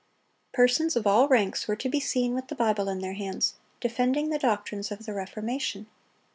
Persons of all ranks were to be seen with the Bible in their hands, defending the doctrines of the Reformation.